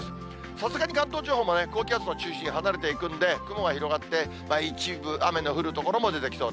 さすがに関東地方も高気圧の中心離れていくんで、雲が広がって、一部雨の降る所も出てきます。